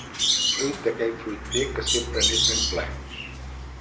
Fruit d'aquell fruiter que sempre n'és ben ple.